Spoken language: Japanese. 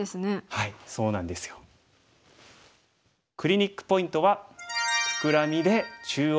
はいそうなんですよ。クリニックポイントは。